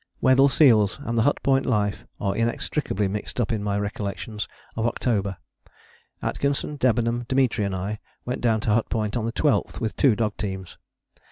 Weddell seals and the Hut Point life are inextricably mixed up in my recollections of October. Atkinson, Debenham, Dimitri and I went down to Hut Point on the 12th, with the two dog teams.